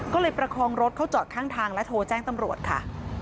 ก็เลยประคองรถเขาจอดข้างทางและโทรแจ้งตำรวจค่ะ